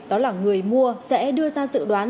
đó là người mua sẽ đưa ra dự đoán